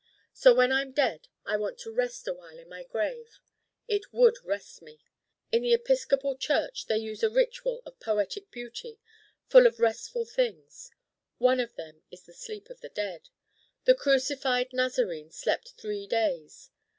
So when I'm dead I want to Rest awhile in my grave. It would Rest me. In the Episcopal Church they use a ritual of poetic beauty, full of Restful things. One of them is the sleep of the dead. The crucified Nazarene slept three days.